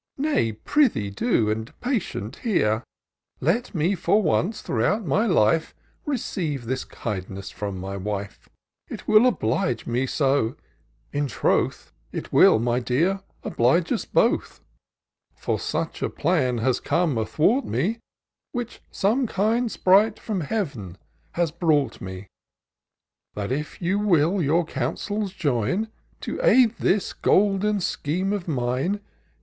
Nay, prithee do, and patient hear ; Let me, for once, throughout my life, Receive this kindness from my wife ; n TOUR OF DOCTOR SYNTAX It will oblige me so :— ^in troth, It wiU, my dear, oblige us both ; For such a plan has come athwart me, Which some kind sprite from Heav'n has brought n That if you will your counsels join, To aid this golden scheme of mine.